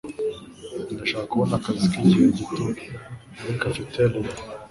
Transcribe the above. ndashaka kubona akazi k'igihe gito muri cafeteria